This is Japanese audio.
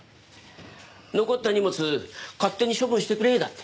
残った荷物勝手に処分してくれだって。